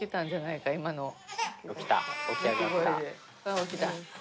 あ起きた。